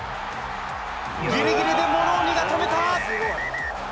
ぎりぎりでモローニが止めた！